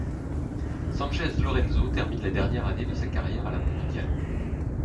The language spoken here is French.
Sanchez Lorenzo termine la dernière année de sa carrière à la mondiale.